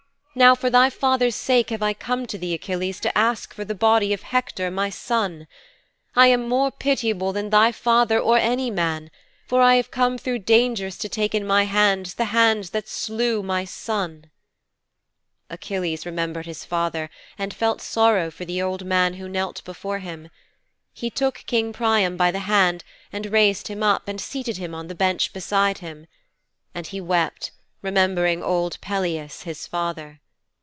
Now for thy father's sake have I come to thee, Achilles, to ask for the body of Hector, my son. I am more pitiable than thy father or than any man, for I have come through dangers to take in my hands the hands that slew my son."' 'Achilles remembered his father and felt sorrow for the old man who knelt before him. He took King Priam by the hand and raised him up and seated him on the bench beside him. And he wept, remembering old Peleus, his father.'